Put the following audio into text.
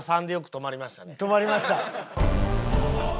止まりました。